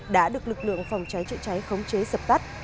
đã được lực lượng phòng cháy trụ cháy khống chế giật tắt